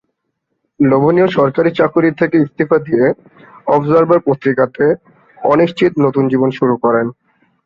লোভনীয় সরকারী চাকুরী থেকে ইস্তফা দিয়ে অবজার্ভার পত্রিকাতে অনিশ্চিত নতুন জীবন শুরু করেন।